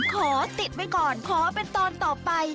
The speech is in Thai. ขอติดไว้ก่อนขอเป็นตอนต่อไป